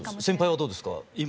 先輩はどうですか？